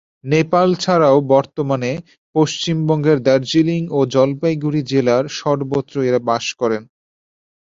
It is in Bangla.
নেপাল ছাড়াও, বর্তমানে পশ্চিমবঙ্গের দার্জিলিং ও জলপাইগুড়ি জেলার সর্বত্র এঁরা বাস করেন।